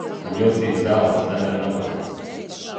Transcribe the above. Mīlestības dāvanas nedara nabagu.